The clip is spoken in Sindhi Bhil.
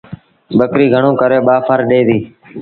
ٻڪريٚ گھڻوݩ ڪري ٻآ ڦر ڏي ديٚ۔